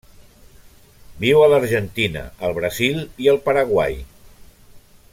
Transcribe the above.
Viu a l'Argentina, el Brasil i el Paraguai.